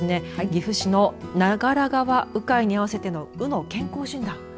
岐阜市の長良川鵜飼に合わせての鵜の健康診断。